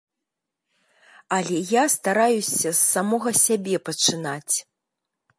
Але я стараюся з самога сябе пачынаць.